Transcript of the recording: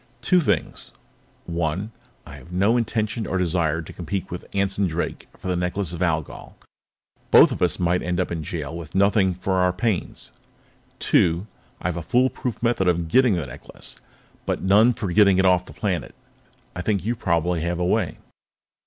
"Two things. One: I have no intention or desire to compete with Anson Drake for the Necklace of Algol. Both of us might end up in jail with nothing for our pains. "Two: I have a foolproof method for getting the necklace, but none for getting it off the planet. I think you probably have a way."